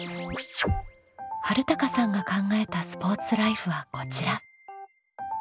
はるたかさんが考えたスポーツライフはこちら。